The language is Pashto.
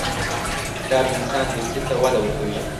کتاب د انسان دوستي ته وده ورکوي.